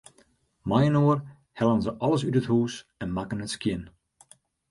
Mei-inoar hellen se alles út it hûs en makken it skjin.